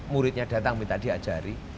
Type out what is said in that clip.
muridnya datang minta diajari